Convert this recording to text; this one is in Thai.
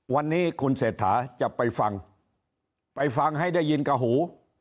วันนี้คุณเศรษฐาจะไปฟังไปฟังให้ได้ยินกับหู